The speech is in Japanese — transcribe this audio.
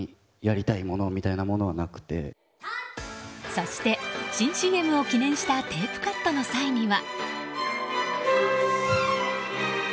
そして、新ＣＭを記念したテープカットの際には。